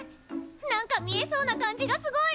何か見えそうな感じがすごい！